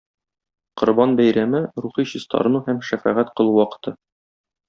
Корбан бәйрәме - рухи чистарыну һәм шәфәгать кылу вакыты.